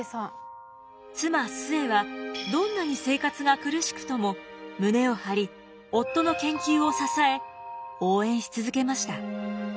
妻壽衛はどんなに生活が苦しくとも胸を張り夫の研究を支え応援し続けました。